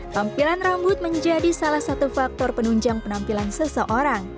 tampilan rambut menjadi salah satu faktor penunjang penampilan seseorang